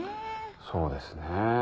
そうですね。